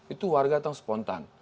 itu warga tanggung spontan